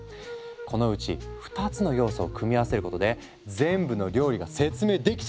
このうち２つの要素を組み合わせることで全部の料理が説明できちゃうってわけ。